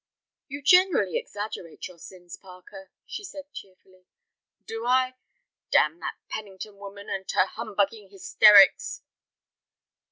"You generally exaggerate your sins, Parker," she said, cheerfully. "Do I? Damn that Pennington woman and her humbugging hysterics."